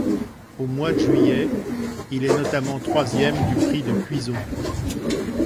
Au mois de juillet, il est notamment troisième du Prix de Cuiseaux.